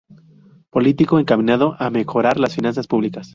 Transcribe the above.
Político encaminado a mejorar las finanzas públicas.